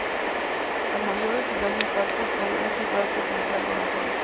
A mayor densidad de impactos, mayor antigüedad potencial de una zona.